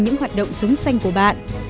những hoạt động sống xanh của bạn